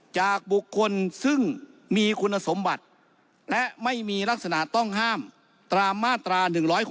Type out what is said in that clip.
จากบุคคลซึ่งมีคุณสมบัติและไม่มีลักษณะต้องห้ามตามมาตรา๑๖